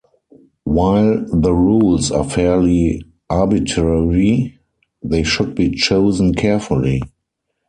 While the rules are fairly arbitrary, they should be chosen carefully.